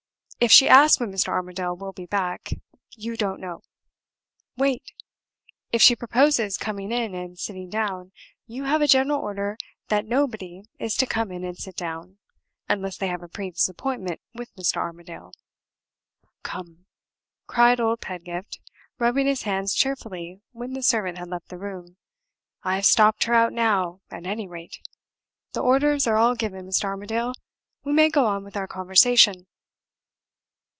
If she asks when Mr. Armadale will be back, you don't know. Wait! If she proposes coming in and sitting down, you have a general order that nobody is to come in and sit down unless they have a previous appointment with Mr. Armadale. Come!" cried old Pedgift, rubbing his hands cheerfully when the servant had left the room, "I've stopped her out now, at any rate! The orders are all given, Mr. Armadale. We may go on with our conversation."